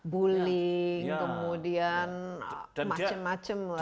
bully kemudian macem macem lah ya